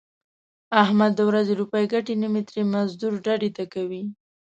احمد د ورځې روپۍ ګټي نیمې ترې مزدور ډډې ته کوي.